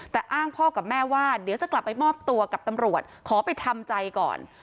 แต่อ้างพ่อกับแม่ว่าเดี๋ยวจะกลับไปมอบตัวกับตำรวจขอไปทำใจก่อน